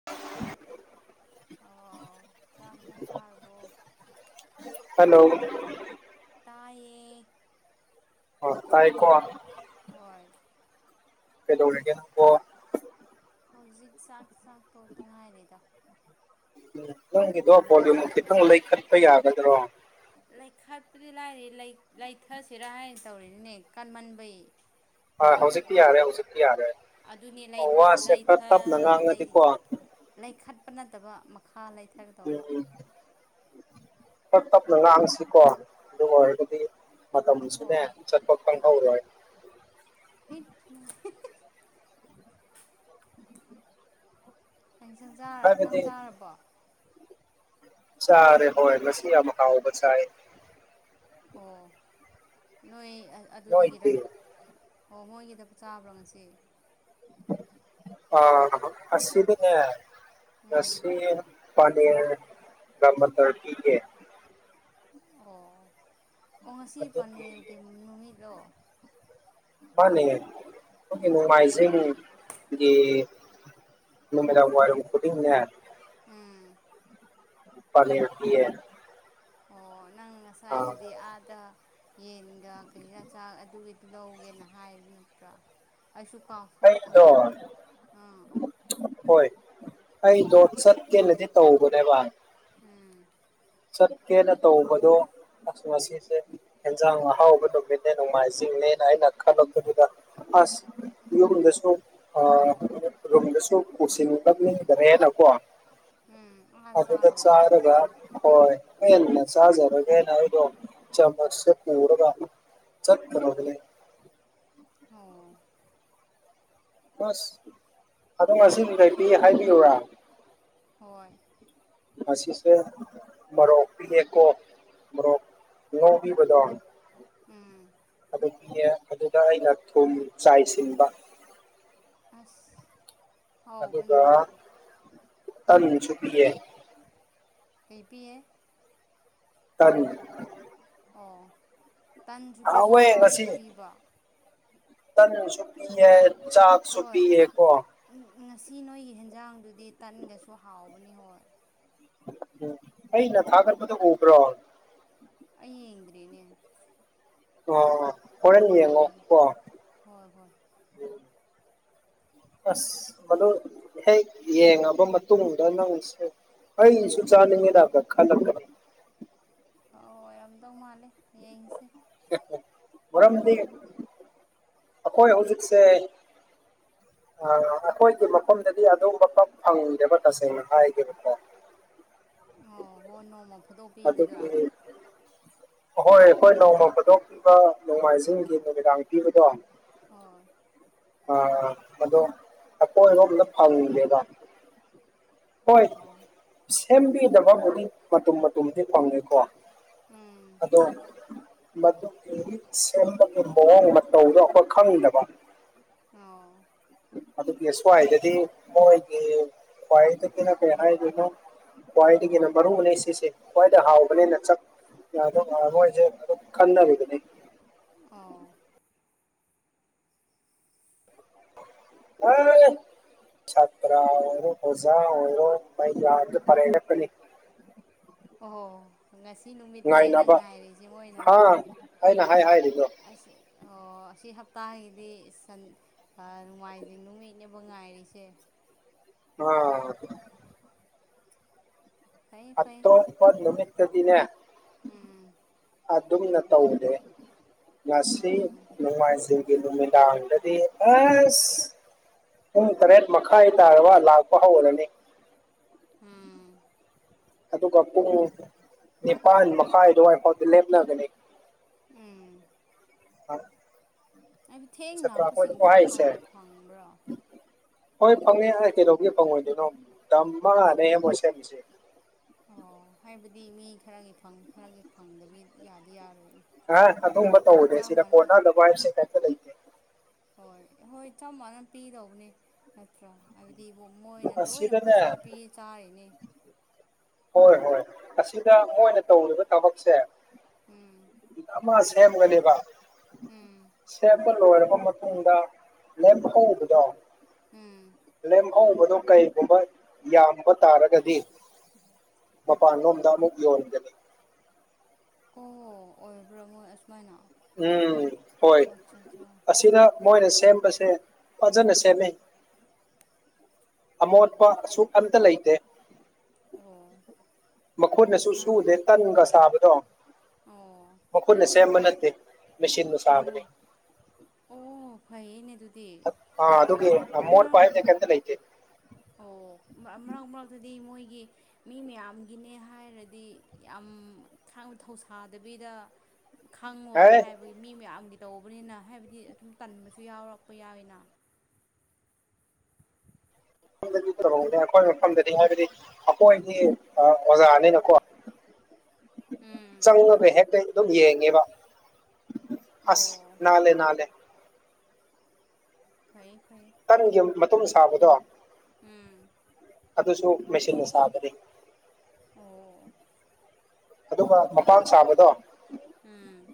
[unintelligible] ꯑꯥꯎ ꯆꯥꯛ ꯏꯟꯁꯥꯡ ꯆꯥꯔꯕꯣ ꯍꯜꯂꯣ [unintelligible] ꯇꯥꯌꯦ ꯑꯣ ꯇꯥꯏꯀꯣ ꯍꯣꯏ ꯀꯩꯗꯧꯔꯤꯒꯦ ꯅꯪꯕꯣ ꯍꯧꯖꯤꯛ ꯆꯥꯛ ꯆꯥꯛ ꯇꯣꯛꯇ ꯉꯥꯏꯔꯤꯗ ꯎꯝ ꯅꯪꯒꯤꯗꯣ ꯔꯣꯂꯤꯌꯨꯝ ꯈꯤꯇꯪ ꯂꯩꯈꯠꯄ ꯌꯥꯒꯗ꯭ꯔꯣ ꯂꯩꯈꯠꯄꯗꯤ ꯂꯥꯏꯔꯤ ꯂꯩ ꯂꯩꯊꯁꯤꯔꯥ ꯍꯥꯏꯅ ꯇꯧꯔꯤꯅꯤꯅꯦ ꯀꯟꯃꯟꯕꯩ ꯑ ꯍꯧꯖꯤꯛꯇꯤ ꯌꯥꯔꯦ ꯍꯧꯖꯤꯛꯇꯤ ꯌꯥꯔꯦ ꯑꯗꯨꯅꯤ ꯂꯩ ꯑꯣ, ꯋꯥꯁꯦ ꯈꯔ ꯂꯧꯊ ꯇꯞꯅ ꯉꯥꯡꯉꯗꯤꯀꯣ ꯂꯩꯈꯠꯄ ꯅꯠꯇꯕ ꯃꯈꯥ ꯂꯩꯊ ꯎꯝ ꯇꯞ ꯇꯞꯅ ꯉꯥꯡꯁꯤꯀꯣ ꯑꯗꯨ ꯑꯣꯏꯔꯒꯗꯤ ꯃꯇꯝꯁꯤꯅꯦ ꯍꯣꯏ ꯆꯠꯄ ꯈꯪꯍꯧꯗꯦ [unintelligible] ꯀꯩ ꯏꯟꯁꯥꯡ ꯆꯥꯔꯕꯣ ꯅꯪ ꯍꯥꯏꯕꯗꯤ ꯆꯥꯔꯕꯣ ꯆꯥꯔꯦ ꯍꯣꯏ ꯉꯁꯤ ꯌꯥꯝ ꯍꯥꯎꯕ ꯆꯥꯏ ꯑꯣ ꯅꯣꯏ ꯑꯗꯨꯗꯒꯤꯔ ꯅꯣꯏꯗꯤ ꯑꯣ ꯃꯣꯏꯒꯤꯗ ꯆꯥꯕ꯭ꯔꯣ ꯉꯁꯤ ꯑ ꯑꯁꯤꯗꯅꯦ ꯎꯝ ꯉꯁꯤ ꯄꯅꯤꯔ ꯒ ꯃꯇꯔ ꯄꯤꯌꯦ ꯑꯣ ꯑꯣ ꯉꯁꯤ ꯑꯗꯨꯒꯤ ꯄꯅꯤꯔꯒꯤ ꯅꯨꯃꯤꯠꯂꯣ ꯃꯥꯅꯦ [unintelligible] ꯑꯣ ꯅꯨꯡꯃꯥꯏꯖꯤꯡꯒꯤ ꯅꯨꯃꯤꯗꯥꯡ ꯋꯥꯏꯔꯝ ꯈꯨꯗꯤꯡꯅꯦ ꯎꯝ ꯄꯥꯅꯤꯔ ꯄꯤꯌꯦ ꯑꯣ ꯅꯪ ꯑꯥ ꯉꯁꯥꯏꯗꯨꯗꯤ ꯑꯥꯗ ꯌꯦꯟꯒ ꯀꯔꯤꯔꯥ ꯆꯥꯛ ꯑꯗꯨꯒꯤꯗꯨ ꯂꯧꯒꯦꯅ ꯍꯥꯏꯕ ꯅꯠꯇ꯭ꯔꯥ ꯑꯩꯁꯨ ꯑꯩꯗꯣ ꯀꯥꯞꯊꯣꯛꯄꯅꯦ ꯑꯥ ꯍꯣꯏ ꯑꯩꯗꯣ ꯆꯠꯀꯦꯅꯗꯤ ꯇꯧꯕꯅꯦꯕ ꯎꯝ ꯆꯠꯀꯦꯅ ꯇꯧꯕꯗꯣ ꯑꯁ ꯉꯁꯤꯁꯦ ꯌꯦꯟꯖꯥꯡ ꯑꯍꯥꯎꯕ ꯅꯨꯃꯤꯠꯅꯦ ꯅꯣꯡꯃꯥꯏꯖꯤꯡꯅꯦꯅ ꯑꯩꯅ ꯈꯜꯂꯛꯄꯗꯨꯗ ꯑꯁ ꯌꯨꯝꯗꯁꯨ [unintelligible] ꯔꯨꯝꯗꯁꯨ [unintelligible] ꯎꯝ ꯑꯥ ꯑꯗꯨꯗ ꯆꯥꯔꯨꯔꯕ ꯆꯥꯔꯒ ꯍꯣꯏ ꯄꯦꯟꯅ ꯆꯥꯖꯔꯒꯦꯅ ꯑꯩꯗꯣ ꯆꯃꯁꯇꯣ ꯄꯨꯔꯒ ꯆꯠꯈ꯭ꯔꯕꯅꯤ ꯑꯣ ꯑꯁ ꯑꯗꯣ ꯉꯁꯤꯒꯤ ꯀꯩ ꯄꯤ ꯍꯥꯏꯕꯤꯌꯨꯔꯥ ꯍꯣꯏ ꯃꯁꯤꯁꯦ ꯃꯣꯔꯣꯛ ꯄꯤꯑꯦꯀꯣ ꯃꯣꯔꯣꯛ ꯉꯧꯕꯤꯕꯗꯣ ꯎꯝ ꯑꯗꯒꯤ ꯑꯗꯨꯗ ꯑꯩꯅ ꯊꯨꯝ ꯆꯥꯏꯁꯤꯟꯕ ꯑꯁ ꯑꯗꯨꯒꯥ ꯍꯥꯎꯕꯅꯤ ꯍꯣꯏ ꯇꯟꯁꯨ ꯄꯤꯌꯦ ꯀꯩ ꯄꯤꯌꯦ ꯇꯟ ꯑꯣ ꯇꯟꯁꯨ ꯄꯤꯕ ꯍꯥꯎꯋꯦ ꯉꯁꯤ ꯆꯥꯛꯁꯨ ꯄꯤꯕ ꯇꯟꯁꯨ ꯄꯤꯌꯦ ꯆꯥꯥꯛꯁꯨ ꯄꯤꯌꯦꯀꯣ ꯎꯝ ꯉꯁꯤ ꯅꯣꯏꯒꯤ ꯍꯦꯟꯖꯥꯡꯗꯨꯗꯤ ꯇꯟꯒꯁꯨ ꯍꯥꯎꯕꯅꯤ ꯍꯣꯏ ꯎ ꯑꯩꯅ ꯊꯥꯒꯠꯄꯗꯣ ꯎꯕ꯭ꯔꯣ ꯑꯩ ꯌꯦꯡꯗ꯭ꯔꯤꯅꯦ ꯑꯣ ꯍꯣꯔꯦꯟ ꯌꯦꯡꯉꯣ ꯌꯦꯡꯒꯦ ꯀꯣ ꯍꯣꯏ ꯍꯣꯏ ꯑꯁ ꯃꯗꯨ ꯍꯦꯛ ꯌꯦꯡꯉꯕ ꯃꯇꯨꯡꯗ ꯅꯪꯁꯦ ꯑꯩꯁꯨ ꯆꯥꯅꯤꯡꯉꯦꯗꯒ ꯈꯜꯂꯛꯀꯅꯤ ꯑ ꯑꯣꯏꯔꯝꯗꯧ ꯃꯥꯜꯂꯦ ꯌꯦꯡꯁꯦ ꯃꯔꯝꯗꯤ ꯑꯈꯣꯏ ꯍꯧꯖꯤꯛꯁꯦ ꯑ ꯑꯈꯣꯏꯒꯤ ꯃꯐꯝꯗꯗꯤ ꯑꯗꯨꯝꯕ ꯄꯥꯛ ꯐꯪꯗꯦꯕ ꯇꯁꯦꯡꯅ ꯍꯥꯏꯒꯦꯕꯀꯣ ꯑꯣ ꯍꯣ ꯅꯣꯡꯃ ꯐꯥꯗꯣꯛ ꯑꯗꯨꯒꯤ ꯄꯤꯕꯗꯨꯔꯥ ꯑꯍꯣꯏ ꯑꯈꯣꯏ ꯅꯣꯡꯃ ꯐꯗꯣꯛꯈꯤꯕ ꯅꯣꯡꯃꯥꯏꯖꯤꯡꯒꯤ ꯅꯨꯃꯤꯗꯥꯡ ꯄꯤꯕꯗꯣ ꯍꯣꯏ ꯑ ꯑꯗꯣ ꯑꯈꯣꯏꯔꯣꯝꯗ ꯐꯪꯗꯦꯕ ꯍꯣꯏ ꯑꯣ ꯁꯦꯝꯕꯤꯗꯕꯕꯨꯗꯤ ꯃꯇꯨꯝ ꯃꯇꯨꯝꯗꯤ ꯐꯪꯉꯦꯀꯣ ꯎꯝ ꯑꯗꯣ ꯃꯗꯨꯒꯤ ꯁꯦꯝꯕꯒꯤ ꯃꯑꯣꯡ ꯃꯇꯧꯗꯣ ꯑꯈꯣꯏ ꯈꯪꯗꯕ ꯑꯥꯎ ꯑꯗꯨꯒꯤ ꯁ꯭ꯋꯥꯏꯗꯗꯤ ꯃꯣꯏꯒꯤ ꯈ꯭ꯋꯥꯏꯗꯒꯤꯅ ꯀꯩ ꯍꯥꯏꯗꯣꯏꯅꯣ ꯈ꯭ꯋꯥꯏꯗꯒꯤꯅ ꯃꯔꯨꯅꯦ ꯁꯤꯁꯦ ꯈ꯭ꯋꯥꯏꯗ ꯍꯥꯎꯕꯅꯦꯅ ꯆ ꯌꯥꯗꯧ ꯉꯔꯣꯏꯖꯦ ꯑꯗꯨꯝ ꯈꯟꯅꯔꯤꯕꯅꯤ ꯑꯥꯎ ꯑꯦ ꯁꯥꯇꯔꯥ ꯑꯣꯏꯔꯣ ꯑꯣꯖꯥ ꯑꯣꯏꯔꯣ ꯃꯌꯥꯗ ꯄꯥꯔꯦꯡ ꯂꯦꯞꯄꯥꯅꯤ ꯑꯣ ꯉꯁꯤ ꯅꯨꯃꯤꯠꯇꯅꯦ ꯅꯪ ꯉꯥꯏꯅꯕ ꯉꯥꯏꯔꯤꯁꯦ ꯃꯣꯏꯅ ꯍꯥ ꯑꯩꯅ ꯍꯥꯏ ꯍꯥꯏꯔꯤꯗꯣ ꯑꯁ ꯑꯣ ꯑꯁꯤ ꯍꯞꯇꯥꯒꯤꯗꯤ ꯁꯟ ꯑ ꯅꯣꯡꯃꯥꯏꯖꯤꯡ ꯅꯨꯃꯤꯠꯅꯦꯕ ꯉꯥꯏꯔꯤꯁꯦ ꯑꯥ ꯐꯩ ꯐꯩ ꯑꯠꯇꯣꯄ ꯅꯨꯃꯤꯠꯇꯗꯤꯅꯦ ꯎꯝ ꯑꯗꯨꯝꯅ ꯇꯧꯗꯦ ꯉꯁꯤ ꯎꯝ ꯅꯨꯡꯉꯥꯏꯖꯤꯡ ꯒꯤ ꯅꯨꯃꯤꯗꯥꯡꯗꯗꯤ ꯑꯁ ꯄꯨꯡ ꯇꯔꯦꯠ ꯃꯈꯥꯏ ꯇꯥꯔꯕ ꯂꯥꯛꯄ ꯍꯧꯔꯅꯤ ꯎꯝ ꯑꯗꯨꯒ ꯄꯨꯡ ꯅꯤꯄꯥꯟ ꯃꯈꯥꯏ ꯑꯗꯨꯋꯥꯏꯐꯥꯎꯗꯤ ꯂꯦꯞꯅꯒꯅꯤ ꯎꯝ ꯑ ꯍꯥꯏꯗꯤ ꯊꯦꯡ ꯂꯥꯛꯄꯁꯤꯡꯒꯤꯗꯤ ꯐꯪꯕꯨ ꯐꯪꯕ꯭ꯔꯣ ꯍꯣꯏ ꯐꯪꯉꯦ ꯍꯥꯏ ꯀꯩꯗꯧꯕꯒꯤ ꯐꯪꯉꯣꯏꯗꯣꯏꯅꯣ ꯗꯝꯃꯅꯦ ꯑꯩꯗꯤ ꯃꯣꯏ ꯁꯦꯝꯃꯤꯁꯦ ꯑꯣ ꯍꯥꯏꯕꯗꯤ ꯃꯤ ꯈꯔꯒꯤ ꯐꯪ ꯈꯔꯒꯤ ꯐꯪꯗꯕꯤ ꯌꯥꯗꯤ ꯌꯥꯔꯣꯏꯅꯦ ꯑ ꯑꯗꯨꯒꯨꯝꯕ ꯇꯧꯔꯣꯏ ꯆꯞ ꯁꯤꯗ ꯃꯥꯟꯅꯅ ꯀꯣꯟꯅꯗꯕ ꯍꯥꯏꯕꯁꯦ ꯀꯩꯝꯇ ꯂꯩꯇꯦ ꯍꯣꯏ ꯍꯣꯏ ꯆꯞ ꯃꯅꯥꯟꯅ ꯄꯤꯗꯧꯕꯅꯦ ꯅꯠꯇ꯭ꯔ ꯍꯥꯏꯕꯗꯤ ꯍꯣ ꯃꯣꯏꯅ ꯂꯣꯏꯅ ꯑꯁꯤꯗꯅꯦ ꯄꯩꯁꯥ ꯄꯤ ꯆꯥꯔꯤꯅꯦ ꯍꯣꯏ ꯍꯣꯏ ꯑꯁꯤꯗ ꯃꯣꯏꯅ ꯇꯧꯔꯤꯕ ꯊꯕꯛꯁꯦ ꯎꯝ ꯃꯥ ꯁꯦꯝꯒꯅꯦꯕ ꯎꯝ ꯁꯦꯝꯄ ꯂꯣꯏꯔꯕ ꯃꯇꯨꯡꯗ ꯂꯦꯝꯍꯧꯕꯗꯣ ꯎꯝ ꯂꯦꯝꯍꯧꯕꯗ ꯀꯔꯤꯒꯨꯝꯕ ꯌꯥꯝꯕ ꯇꯥꯔꯒꯗꯤ ꯃꯄꯥꯟꯂꯣꯝꯗ ꯑꯃꯨꯛ ꯌꯣꯟꯒꯅꯤ ꯑꯣ ꯑꯣꯏꯔꯕ꯭ꯔꯥ ꯃꯣꯏ ꯑꯁꯨꯃꯥꯏꯅ ꯎꯝ ꯍꯣꯏ ꯑꯠꯆꯥ ꯑꯠꯆꯥ ꯑꯁꯤꯗ ꯃꯣꯏꯅ ꯁꯦꯝꯕꯁꯦ ꯐꯖꯅ ꯁꯦꯝꯃꯦ ꯑꯃꯣꯠꯄ ꯑꯁꯨꯛ ꯑꯝꯇ ꯂꯩꯇꯦ ꯑꯣ ꯃꯈꯨꯠꯅꯁꯨ ꯅ ꯁꯨꯗꯦ ꯇꯟꯒ ꯁꯥꯕꯗꯣ ꯑꯣ ꯃꯈꯨꯠꯅ ꯁꯦꯝꯕ ꯅꯠꯇꯦ ꯃꯦꯆꯤꯟꯅ ꯑꯣ ꯁꯥꯕꯅꯤ ꯑꯣ ꯐꯩꯌꯦꯅꯦ ꯑꯗꯨꯗꯤ ꯑꯃ ꯀꯩ ꯑꯝꯇ ꯂꯩꯇꯦ ꯑꯣ ꯃꯔꯛ ꯃꯔꯛꯇꯗꯤ ꯃꯣꯏꯒꯤ ꯃꯤ ꯃꯌꯥꯝꯒꯤꯅꯦ ꯍꯥꯏꯔꯗꯤ ꯌꯥꯝ ꯊꯥꯡꯅ ꯊꯧꯁꯥꯗꯕꯤꯗ__ ꯈꯪꯉꯣꯏ ꯑꯦ ꯍꯥꯏꯕꯒꯤ ꯃꯤ ꯃꯌꯥꯝꯒꯤ ꯇꯧꯕꯅꯤꯅ ꯍꯥꯏꯕꯗꯤ ꯑꯗꯨꯨꯝ ꯇꯟꯕꯁꯨ ꯌꯥꯎꯔꯛꯄ ꯌꯥꯎꯋꯤꯅ ꯃꯐꯝꯗꯗꯤ ꯀꯩꯍꯧꯅꯦ ꯑꯩꯈꯣꯏ ꯃꯐꯝꯗꯗꯤ ꯍꯥꯏꯕꯗꯤ ꯑꯩꯈꯣꯏꯗꯤ ꯑꯣꯖꯥ ꯅꯤꯅꯀꯣ ꯎꯝ ꯆꯪꯉꯒ ꯍꯦꯛꯇ ꯑꯗꯨꯝ ꯌꯦꯡꯉꯦꯕ ꯑꯁ ꯑꯣ ꯅꯥꯜꯂꯦ ꯅꯥꯜꯂꯦ ꯐꯩꯌꯦ ꯐꯩꯌꯦ ꯇꯟꯒꯤ ꯃꯇꯨꯝ ꯁꯥꯕꯗꯣ ꯎꯝ ꯑꯗꯨꯁꯨ ꯃꯦꯆꯤꯟꯅ ꯁꯥꯕꯅꯤ ꯑꯣ ꯑꯗꯨꯒ ꯃꯄꯥꯟ ꯁꯥꯕꯗꯣ__ ꯎꯝ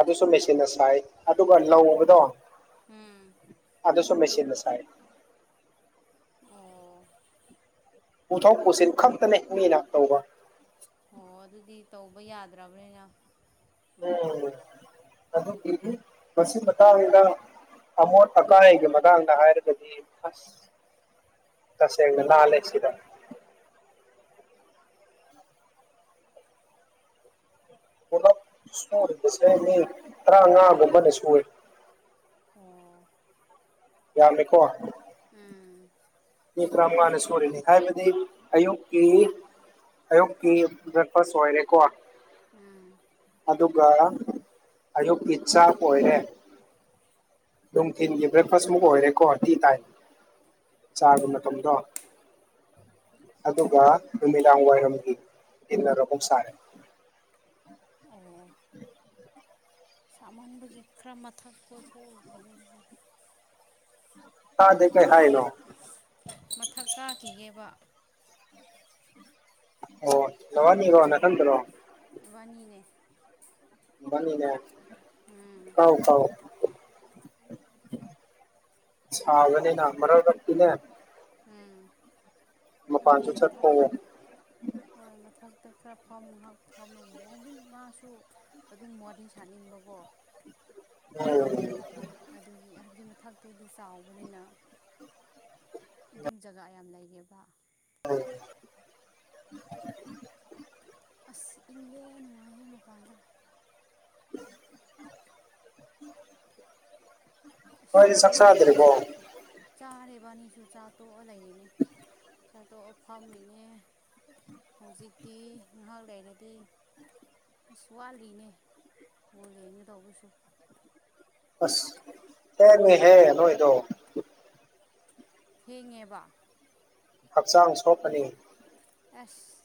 ꯑꯗꯨꯁꯨ ꯃꯦꯆꯤꯟꯅ ꯁꯥꯏ ꯑꯗꯨꯒ ꯂꯧ ꯎꯕꯗꯣ__ ꯎꯝ ꯑꯗꯁꯨꯨ ꯃꯦꯆꯤꯟꯅ ꯁꯥꯏ ꯑꯣ ꯄꯨꯊꯣꯛ ꯄꯨꯁꯤꯟ ꯈꯛꯇꯅꯦ ꯃꯤꯅ ꯇꯧꯕ ꯑꯣ ꯑꯗꯨꯗꯤ ꯇꯧꯕ ꯌꯥꯗ꯭ꯔꯕꯅꯤꯅ__ ꯎꯝ ꯑꯗꯨ ꯄꯤꯗꯤ ꯃꯁꯤ ꯃꯇꯥꯡꯗ ꯑꯁ ꯑꯃꯣꯠ ꯑꯀꯥꯏꯒꯤ ꯃꯇꯥꯡꯗ ꯍꯥꯏꯔꯒꯗꯤ ꯑꯁ ꯇꯁꯦꯡꯅ ꯅꯥꯜꯂꯦ ꯁꯤꯗ ꯄꯨꯂꯞ ꯁꯨꯔꯤꯕꯁꯦ ꯃꯤ ꯇꯔꯥꯃꯉꯥꯒꯨꯝꯕꯅ ꯁꯨꯏ ꯑꯣ ꯌꯝꯃꯤꯀꯣ ꯎꯝ ꯃꯤ ꯇꯔꯥ ꯃꯉꯥꯅꯥ ꯌꯥꯝꯃꯦ ꯁꯨꯔꯤꯅꯤ ꯍꯥꯏꯥꯕꯗꯤ__ ꯑꯌꯨꯛꯀꯤ ꯑꯌꯨꯛꯀꯤ ꯕ꯭ꯔꯦꯛꯐꯥꯁ ꯑꯣꯏꯔꯦꯀꯣ ꯎꯝ ꯑꯗꯨꯒ ꯑꯌꯨꯛꯀꯤ ꯆꯥꯛ ꯑꯣꯏꯔꯦ ꯅꯨꯡꯊꯤꯜꯒꯤ ꯕ꯭ꯔꯦꯛꯐꯥꯁ ꯃꯨꯛ ꯑꯣꯏꯔꯦꯀꯣ ꯇꯤ ꯇꯥꯏꯝ ꯆꯥꯒꯤ ꯃꯇꯝꯗꯣ ꯑꯗꯨꯒ ꯅꯨꯃꯤꯗꯥꯡ ꯋꯥꯏꯔꯝꯒꯤ ꯏꯟꯅꯔꯒꯨꯝ ꯁꯥꯔꯦ ꯑꯣ [unintelligible] ꯁꯥꯃꯟꯕꯒꯤ ꯈꯔ ꯃꯊꯛ ꯀꯣꯏꯊꯣꯛꯎꯨꯈꯤ [unintelligible] ꯇꯥꯗꯦ ꯀꯩ ꯍꯥꯏꯅꯣ ꯃꯊꯛ ꯀꯥꯈꯤꯒꯦꯕ ꯑꯣ ꯅꯋꯥꯅꯤ ꯔꯣ ꯅꯊꯟꯗ꯭ꯔꯣ ꯕꯥꯅꯤꯅꯦ ꯏꯕꯅꯤꯅꯦ ꯎꯝ ꯀꯥꯎ ꯀꯥꯎ [inaudible] ꯁꯕꯅꯤ [unintelligible] ꯎꯝ ꯍꯥꯏꯕꯗꯤ ꯃꯄꯥꯟꯁꯨ ꯃꯊ ꯆꯠꯄ ꯎꯝ ꯍꯣꯏ ꯃꯊꯛꯇ ꯈꯔ ꯐꯝ ꯉꯥꯏꯍꯥꯛ ꯐꯝꯅꯨ ꯍꯥꯏꯗꯤ ꯃꯥꯁꯨ ꯑꯗꯨꯝ ꯋꯥꯔꯤ ꯁꯥꯅꯤꯡꯕꯀꯣ [unintelligible] ꯑꯗꯨꯒꯤ ꯍꯥꯏꯕꯗꯤ ꯃꯊꯥꯛꯛꯇꯗꯤ ꯆꯥꯎꯕꯅꯤꯅ ꯑꯗꯨꯝ ꯖꯒꯥ ꯌꯥꯝ ꯂꯩꯌꯦꯕ [inaudible] ꯑꯁ ꯏꯡꯉꯦ ꯅꯨꯉꯥꯏꯌꯦ ꯃꯄꯥꯟꯗ ꯑꯁ ꯅꯣꯏꯗꯤ ꯆꯥꯛ ꯆꯥꯗ꯭ꯔꯤꯕꯣ ꯃꯅꯨꯡꯗꯒꯤꯁꯦ ꯆꯥꯔꯦꯕ ꯑꯅꯤꯁꯨ ꯆꯥ ꯇꯣꯛꯑ ꯂꯩꯔꯤꯅꯦ ꯆꯥ ꯇꯣꯛꯑ ꯐꯝꯃꯤꯅꯦ ꯍꯧꯖꯤꯛꯇꯤ ꯉꯥꯏꯍꯥꯛ ꯂꯩꯔꯗꯤ ꯑꯁ ꯋꯥꯠꯂꯤꯅꯦ ꯕꯣꯜ ꯌꯦꯡꯒꯦ ꯇꯧꯕꯁꯨ ꯑꯁ ꯊꯦꯡꯉꯦꯍꯦ ꯅꯣꯏꯗꯣ ꯊꯦꯡꯉꯦꯕ ꯍꯛꯆꯥꯡ ꯁꯣꯛꯀꯅꯤ ꯑꯁ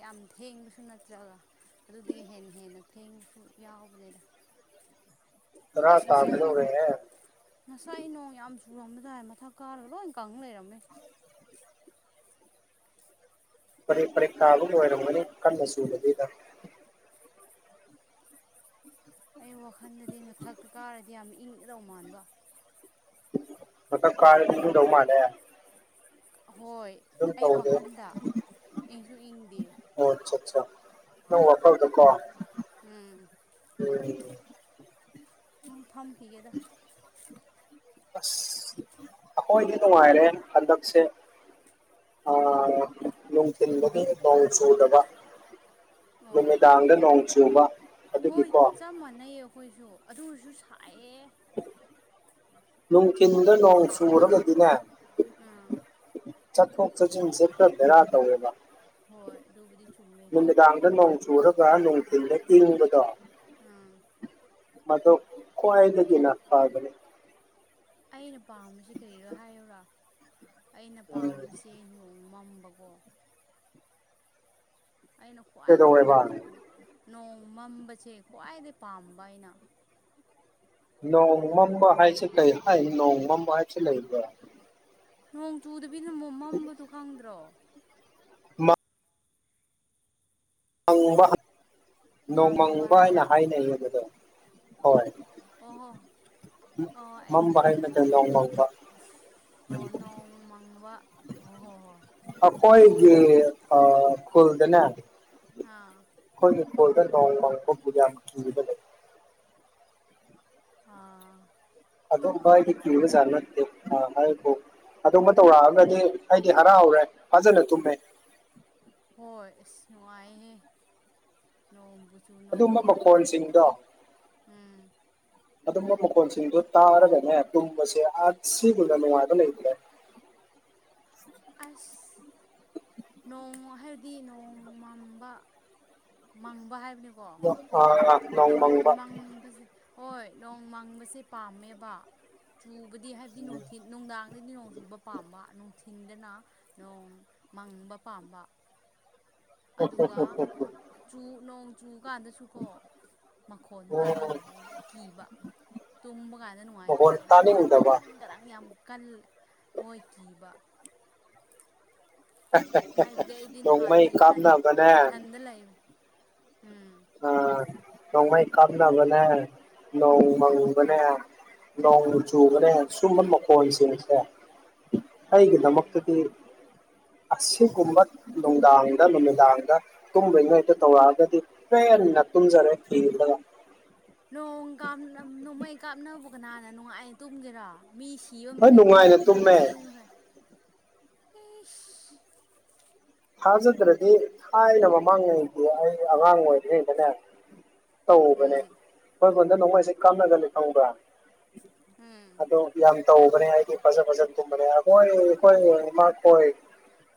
ꯌꯥꯝ ꯊꯦꯡꯕꯁꯨ ꯅꯠꯇ꯭ꯔꯒ ꯑꯗꯨꯗꯒꯤ ꯍꯦꯟꯅ ꯍꯦꯟꯅ ꯊꯦꯡꯕꯁꯨ ꯌꯥꯎꯕꯅꯦꯗ [unintelligible] ꯇꯔꯥ ꯑꯁ ꯉꯁꯥꯏ [unintelligible] ꯇꯥꯒꯗꯧꯔꯦꯍꯦ ꯉꯁꯥꯏ ꯅꯣꯡ ꯌꯥꯝ ꯆꯨꯔꯝꯕ ꯇꯥꯏ ꯃꯊꯛ ꯀꯥꯔꯒ ꯂꯣꯏ ꯀꯪ ꯂꯩꯔꯝꯃꯦ ꯄꯔꯦꯛ ꯄꯔꯦꯛ ꯇꯥꯕ ꯑꯣꯏꯔꯝꯒꯅꯤ ꯀꯟꯅ ꯆꯨꯗꯕꯤꯗ ꯑꯩ ꯋꯥꯈꯟꯗꯗꯤ ꯃꯊꯛꯇ ꯀꯥꯔꯗꯤ ꯌꯥꯝ ꯏꯪꯒꯗꯧ ꯃꯥꯟꯕ ꯃꯊꯛ ꯀꯥꯔꯗꯤ ꯏꯪꯗꯧ ꯃꯥꯜꯂꯦ ꯍꯣꯏ ꯑꯗꯨꯝ ꯑꯩ ꯇꯧꯗꯦ ꯋꯥꯈꯟꯗ ꯏꯪꯁꯨ ꯏꯪꯗꯦ ꯑꯣ ꯑꯆꯥ ꯑꯆꯥ ꯅꯪ ꯋꯥꯈꯜꯗꯀꯣ ꯎꯝ ꯎꯝ ꯎꯝ ꯐꯝꯈꯤꯒꯦꯗ ꯑꯁ ꯑꯩꯈꯣꯏꯗꯤ ꯅꯨꯡꯉꯥꯏꯔꯦ ꯍꯟꯗꯛꯁꯦ ꯑ ꯅꯨꯡꯊꯤꯟꯕꯗꯤ ꯅꯣꯡ ꯆꯨꯗꯕ ꯑꯣ ꯅꯨꯃꯤꯗꯥꯡꯗ ꯅꯣꯡ ꯆꯨꯕ ꯍꯣꯏ ꯑꯗꯨꯒꯤꯀꯣ ꯆꯞ ꯃꯥꯟꯅꯩꯌꯦ ꯑꯩꯈꯣꯏꯁꯨ ꯑꯗꯨꯁꯨ ꯁꯥꯏꯌꯦ ꯅꯨꯡꯊꯤꯟꯗ ꯅꯣꯡ ꯆꯨꯨꯔꯒꯗꯤꯅꯦ ꯎꯝ ꯆꯠꯊꯣꯛ ꯆꯠꯁꯤꯟꯁꯦ ꯈꯔ ꯕꯦꯔꯥ ꯇꯧꯋꯦꯕ ꯍꯣꯏ ꯑꯗꯨꯕꯨꯗꯤ ꯆꯨꯝꯃꯦ ꯅꯨꯃꯤꯗꯥꯡꯗ ꯅꯣꯡ ꯆꯨꯔꯒ ꯅꯨꯡꯊꯤꯜꯗ ꯏꯡꯕꯗꯣ ꯎꯝ ꯃꯗꯨ ꯀꯋꯥꯏꯗꯗꯒꯤꯅ ꯐꯕꯅꯦ ꯑꯩꯅ ꯄꯥꯝꯕꯁꯤ ꯀꯔꯤꯔꯣ ꯍꯥꯏꯌꯨꯔꯥ ꯑꯩꯅ ꯎꯝ ꯄꯥꯝꯕꯁꯦ ꯅꯨ ꯃꯝꯕꯀꯣ ꯑꯩꯅ ꯈ꯭ꯋꯥꯏꯗꯩ ꯀꯩꯗꯧꯋꯦꯕ ꯄꯥꯝꯖꯕ ꯅꯣꯡ ꯃꯝꯕꯁꯦ ꯈ꯭ꯋꯥꯏꯗꯩ ꯄꯥꯝꯕ ꯑꯩꯅ꯫ ꯅꯣꯡ ꯃꯝꯕ ꯍꯥꯏꯁꯦ ꯀꯩ ꯍꯥꯏ ꯅꯣꯡꯃꯝꯕ ꯍꯥꯏꯕꯁꯦ ꯂꯩꯕ꯭ꯔꯥ? ꯅꯣꯡ ꯆꯨꯗꯕꯤꯅ ꯃꯣ ꯃꯝꯕꯗꯨ ꯈꯪꯗ꯭ꯔꯣ? ꯃꯥ ꯃꯪꯕ ꯅꯣꯡꯃꯪꯕ ꯍꯥꯏꯅ ꯍꯥꯏꯔ ꯍꯥꯏꯅꯩꯌꯦꯕꯗꯣ ꯍꯣꯏ꯫ ꯑꯣ ꯍꯣ ꯑꯣ ꯑꯩꯅ ꯃꯝꯕ ꯍꯥꯏ ꯅꯠꯇꯦ ꯍꯩꯗꯕꯩ ꯅꯣꯡ ꯑꯣꯏꯔꯝꯅꯤ ꯃꯪꯕ ꯑꯣ ꯅꯣꯡ ꯃꯥꯡꯕ ꯍꯣꯏ ꯍꯣꯏ ꯍꯣꯏ ꯅꯣꯡ ꯑꯥ ꯈꯨꯜꯗꯅꯦ ꯍꯥꯥ ꯈꯣꯏꯒꯤ ꯈꯨꯜꯗ ꯅꯣꯡ ꯃꯪꯕꯕꯨ ꯌꯥꯝ ꯆꯨꯗꯕꯅꯦ ꯑꯥ ꯑꯗꯨꯝ ꯍꯥꯏꯗꯤ ꯀꯤꯕꯖꯥꯠ ꯅꯠꯇꯦ [unintelligible] ꯑꯗꯨꯝꯕ ꯇꯧꯔꯛꯑꯒꯗꯤ ꯑꯩꯗꯤ ꯍꯔꯥꯎꯔꯦ ꯐꯖꯅ ꯇꯨꯝꯃꯦ꯫ ꯍꯣꯏ ꯑꯁ ꯅꯨꯡꯉꯥꯏꯌꯦꯍꯦ꯫ ꯅꯣꯡꯕꯨ ꯆꯨ ꯑꯗꯨꯝꯕ ꯅꯣꯡꯃꯪ ꯃꯈꯣꯟꯁꯤꯡꯗꯣ ꯎꯝ ꯑꯗꯨꯝꯕ ꯃꯈꯣꯟꯁꯤꯡꯗꯨ ꯇꯥꯔꯒꯅꯦ ꯇꯨꯝꯕꯁꯦ ꯑ ꯁꯤꯒꯨꯝꯅ ꯅꯨꯡꯉꯥꯏꯕ ꯂꯩꯇ꯭ꯔꯦ꯫ ꯑꯁ ꯅꯣꯡꯃ ꯍꯥꯏꯕꯗꯤ ꯅꯣꯡꯃꯝꯕ ꯃꯪꯕ ꯍꯥꯏꯕꯅꯤꯀꯣ ꯑꯥ ꯅꯣꯡ ꯃꯪꯕꯖꯦ ꯍꯣꯏ ꯅꯣꯡ ꯃꯪꯕꯁꯦ ꯄꯥꯝꯃꯦꯕ꯫ ꯆꯨꯕꯗꯤ ꯍꯥꯏꯕꯗꯤ ꯅꯨꯡꯊꯤꯟ ꯅꯨꯡꯗꯥꯡꯗꯗꯤ ꯅꯣꯡ ꯆꯨꯕ ꯄꯥꯝꯕ ꯅꯨꯡꯊꯤꯟꯗꯅ ꯅꯣꯡ ꯃꯪꯕ ꯄꯥꯝꯕ꯫ ꯑꯗꯨꯒ ꯆꯨ ꯅꯣꯡ ꯆꯨ ꯀꯥꯟꯗꯁꯨ ꯀꯣ ꯃꯈꯣꯟꯗꯣ ꯇꯥꯅꯤꯡꯗꯕ ꯑꯩꯅ ꯀꯤꯕ꯫ ꯇꯨꯝꯕ ꯀꯥꯟꯗ ꯃꯈꯣꯟ ꯅꯨꯡꯉꯥꯏꯇꯕ ꯍꯥꯏꯕꯗꯤ ꯇꯥꯅꯤꯡꯗꯕ ꯒ꯭ꯔꯪ ꯒ꯭ꯔꯪ ꯌꯥꯝ ꯀꯟ ꯍꯣꯏ ꯀꯤꯕ ꯍꯥꯏꯕꯗꯤ ꯑꯩꯗꯤ ꯅꯣꯡꯃꯩ ꯅꯍꯥꯟꯗꯤ ꯏꯊꯟ ꯀꯥꯞꯅꯕꯅꯦ ꯏꯊꯟꯗ ꯂꯩꯕ ꯎꯝ ꯑ ꯅꯣꯡꯃꯩ ꯀꯥꯞꯅꯕꯅꯦ ꯅꯣꯡ ꯃꯪꯕꯅꯦ ꯅꯣꯡꯅ ꯆꯨꯕꯅꯦ ꯁꯨꯝꯕ ꯃꯈꯣꯟꯁꯤꯡꯁꯦ ꯎꯝ ꯑꯩꯒꯤꯗꯃꯛꯇꯗꯤ ꯑꯁꯤꯒꯨꯝꯕ ꯅꯨꯡꯗꯥꯡꯗ ꯅꯨꯃꯤꯗꯥꯡꯗ ꯇꯨꯝꯗ꯭ꯔꯤꯉꯩꯗ ꯇꯧꯔꯛꯑꯒꯗꯤ ꯄꯦꯟꯅꯥꯇꯨꯝꯖꯔꯦ ꯊꯦꯝꯃꯒ ꯅꯣꯡ ꯀꯥꯔ ꯅꯣꯡꯃꯩ ꯀꯥꯞꯅꯕꯨ ꯀꯅꯥꯅ ꯅꯨꯡꯉꯥꯏꯅ ꯇꯨꯝꯒꯦꯔ ꯃꯤ ꯀꯤꯕ ꯍꯣꯏ ꯃꯈꯩ ꯃꯤꯅ ꯅꯨꯡꯉꯥꯏꯅ ꯀꯤꯕ ꯇꯨꯝꯃꯦ ꯆꯦꯟ ꯃꯈꯩ ꯏꯁ ꯊꯥꯖꯗ꯭ꯔꯗꯤ ꯊꯥꯏꯅ ꯃꯃꯥꯡꯉꯩꯗꯤ ꯑꯩ ꯑꯉꯥꯡ ꯑꯣꯏꯔꯤꯉꯩꯗꯅꯦ ꯇꯧꯕꯅꯦ ꯎꯝ ꯑꯩꯈꯣꯏ ꯈꯨꯟꯗ ꯅꯣꯡꯃꯩꯁꯦ ꯀꯥꯞꯅꯒꯅꯤ ꯈꯪꯕ꯭ꯔꯥ ꯎꯝ ꯑꯗꯣ ꯌꯥꯝ ꯇꯧꯕꯅꯦ ꯍꯥꯏꯗꯤ ꯐꯖ ꯐꯖꯅ ꯇꯨꯝꯕꯅꯦ ꯑꯩꯈꯣꯏ ꯑꯩꯈꯣꯏ ꯏꯃꯥꯈꯣꯏ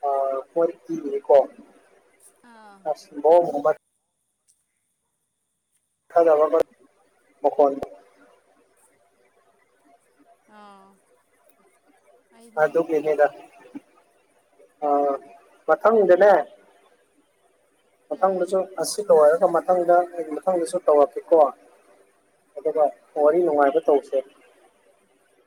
ꯑꯥ [unintelligible] ꯄꯤꯕꯒꯤ ꯀꯣ ꯑ [unintelligible] [unintelligible] ꯃꯈꯣꯟ ꯏꯁ [inaudible] ꯑꯥ ꯑꯩꯗꯤ ꯅꯠꯇꯦ ꯑꯗꯨꯒꯤꯅꯤꯗ ꯑ ꯃꯊꯪꯗꯅꯦ ꯎꯝ ꯃꯊꯪꯗꯁꯨ, ꯑꯁꯤ ꯂꯣꯏꯔꯔꯢꯒ ꯃꯊꯪꯗ ꯑꯩ ꯃꯊꯪꯗꯁꯨ ꯇꯧꯔꯛꯀꯦꯀꯣ ꯑꯗꯨꯒ, ꯋꯥꯔꯤ ꯅꯨꯡꯉꯥꯏꯕ ꯇꯧꯁꯦ꯫